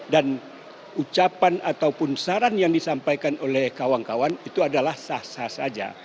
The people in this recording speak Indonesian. dan ucapan ataupun saran yang disampaikan oleh kawan kawan itu adalah sah sah saja